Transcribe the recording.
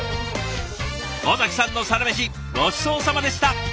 尾崎さんのサラメシごちそうさまでした。